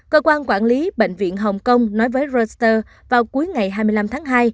cơ quan quản lý bệnh viện hồng kông nói với roster vào cuối ngày hai mươi năm tháng hai